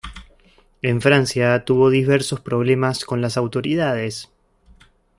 En Francia tuvo diversos problemas con las autoridades.